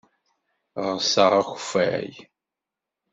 Ɣseɣ akeffay.